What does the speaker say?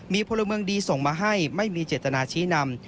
มีพลเมืองดีส่งมาให้ไม่มีเจตนาชี้นำ